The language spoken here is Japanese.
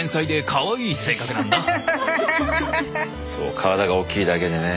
そう体が大きいだけでね